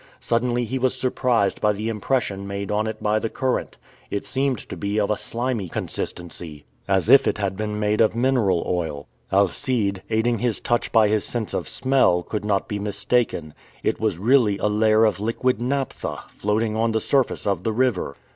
Suddenly he was surprised by the impression made on it by the current. It seemed to be of a slimy consistency, as if it had been made of mineral oil. Alcide, aiding his touch by his sense of smell, could not be mistaken. It was really a layer of liquid naphtha, floating on the surface of the river!